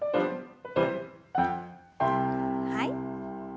はい。